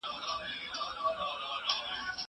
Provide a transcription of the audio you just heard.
زه بازار ته تللی دی!!